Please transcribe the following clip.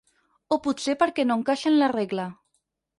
O potser perquè no encaixa en la regla.